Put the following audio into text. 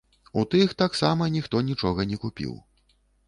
У тых таксама ніхто нічога не купіў.